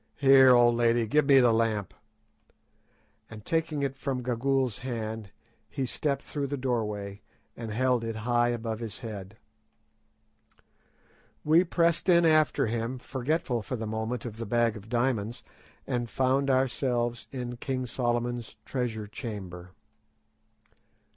"Here, old lady, give me the lamp," and taking it from Gagool's hand, he stepped through the doorway and held it high above his head. We pressed in after him, forgetful for the moment of the bag of diamonds, and found ourselves in King Solomon's treasure chamber.